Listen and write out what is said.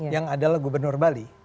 yang adalah gubernur bali